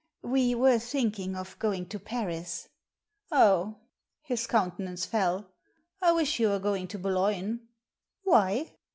" We were thinking of going to Paris." " Oh !" His countenance fell. " I wish you were going to Boulogne." "Why?"